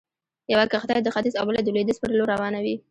يوه کښتۍ د ختيځ او بله د لويديځ پر لور روانوي.